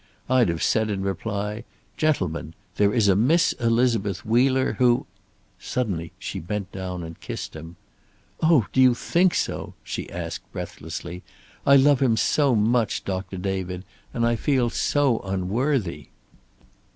I'd have said in reply, 'Gentlemen, there is a Miss Elizabeth Wheeler who '" Suddenly she bent down and kissed him. "Oh, do you think so?" she asked, breathlessly. "I love him so much, Doctor David. And I feel so unworthy."